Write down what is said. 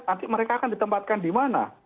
nanti mereka akan ditempatkan di mana